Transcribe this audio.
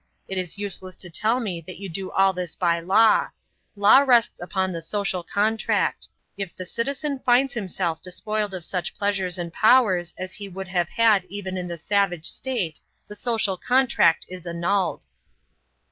It is useless to tell me that you do all this by law. Law rests upon the social contract. If the citizen finds himself despoiled of such pleasures and powers as he would have had even in the savage state, the social contract is annulled."